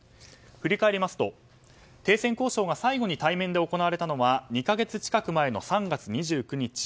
振り返りますと停戦交渉が最後に対面で行われたのは２か月近く前の３月２９日。